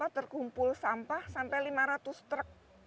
terkumpul sampah sampai lima ratus truk